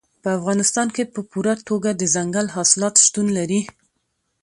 په افغانستان کې په پوره توګه دځنګل حاصلات شتون لري.